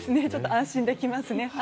ちょっと安心できますね。